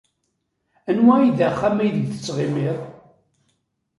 Anwa ay d axxam aydeg tettɣimiḍ?